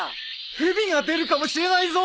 蛇が出るかもしれないぞ！